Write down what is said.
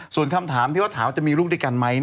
ส่วนคำถามที่ว่าถามว่าจะมีลูกด้วยกันไหม